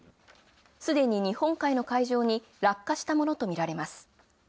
すでに日本海の海上に落下したものと見られます。